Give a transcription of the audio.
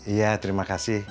iya terima kasih